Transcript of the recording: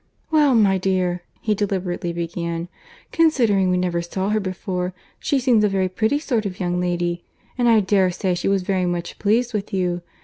"Well, my dear," he deliberately began, "considering we never saw her before, she seems a very pretty sort of young lady; and I dare say she was very much pleased with you.